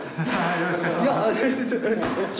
よろしくお願いします。